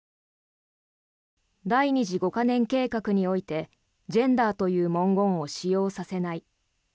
第二次五カ年計画においてジェンダーという文言を使用させない。